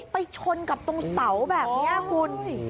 ชนกับตรงเสาแบบนี้คุณ